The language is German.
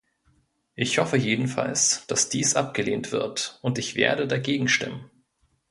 Ich hoffe jedenfalls, dass dies abgelehnt wird, und ich werde dagegen stimmen.